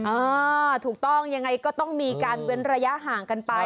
อ่าถูกต้องยังไงก็ต้องมีการเว้นระยะห่างกันไป